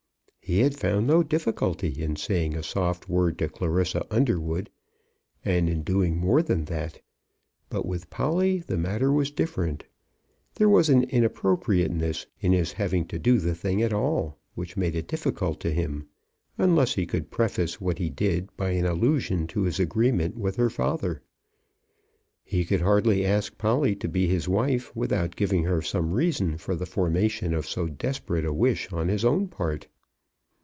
He had found no difficulty in saying a soft word to Clarissa Underwood, and in doing more than that. But with Polly the matter was different. There was an inappropriateness in his having to do the thing at all, which made it difficult to him, unless he could preface what he did by an allusion to his agreement with her father. He could hardly ask Polly to be his wife without giving her some reason for the formation of so desperate a wish on his own part.